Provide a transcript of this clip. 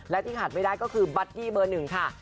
และที่ขาดไม่ได้ก็คือบัดดี้เบอร์หนึ่งค่ะ